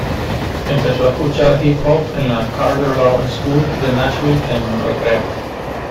Empezó a escuchar hip-hop en la Carter Lawrence School de Nashville, en un recreo.